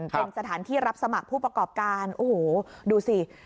เป็นสถานที่รับสมัครผู้ประกอบการโอ้โหดูสิ